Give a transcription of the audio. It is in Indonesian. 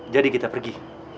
jadi kita pergi